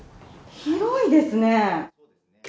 広いですね。